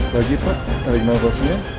lagi pak tarik nafasnya